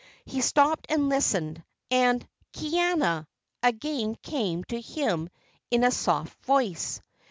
He stopped and listened, and "Kaiana!" again came to him in a soft voice.